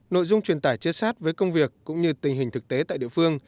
nội dung truyền tải chê sát với công việc cũng như tình hình thực tế tại địa phương